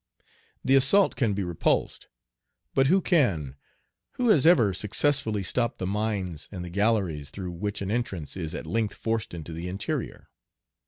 The assault can be repulsed, but who can, who has ever successfully stopped the mines and the galleries through which an entrance is at length forced into the interior?